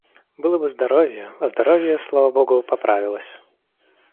Было бы здоровье, а здоровье, слава Богу, поправилось.